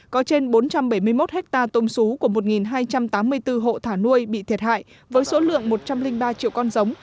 có trên bốn trăm bảy mươi một hectare tôm xú của một hai trăm tám mươi bốn hộ thả nuôi bị thiệt hại với số lượng một trăm linh ba triệu con giống